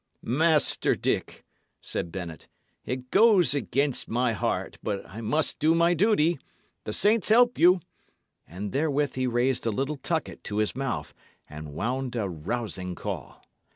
"Master Dick," said Bennet, "it goes against my heart; but I must do my duty. The saints help you!" And therewith he raised a little tucket to his mouth and wound a rousing call.